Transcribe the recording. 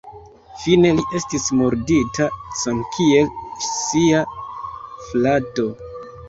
Fine li estis murdita samkiel sia frato.